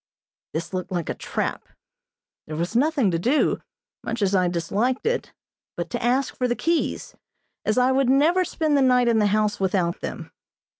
This looked like a trap. There was nothing to do, much as I disliked it, but to ask for the keys, as I would never spend the night in the house without them.